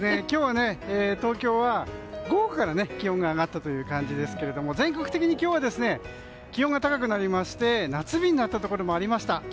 今日は東京は午後から気温が上がったという感じですけれども全国的に今日は気温が高くなりまして夏日になったところもありました。